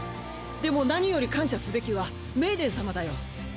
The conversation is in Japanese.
でも何より感謝すべきはメイデン様だよ。